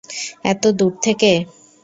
এতো দূর থেকে?